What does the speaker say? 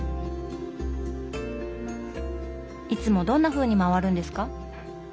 いつもどんなふうに回るんですか？